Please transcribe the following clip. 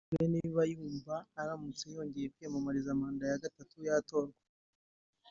Abajijwe niba yumva aramutse yongeye kwiyamamariza manda ya gatatu yatorwa